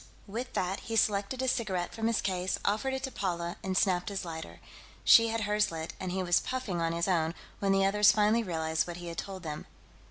With that, he selected a cigarette from his case, offered it to Paula, and snapped his lighter. She had hers lit, and he was puffing on his own, when the others finally realized what he had told them.